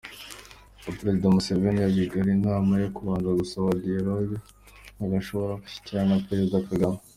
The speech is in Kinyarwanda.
Ngo Perezida Museveni yabagiriye inama yo kubanza gusaba dialogue, bagashobora gushyikirana na Perezida Kagame.